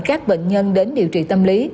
các bệnh nhân đến điều trị tâm lý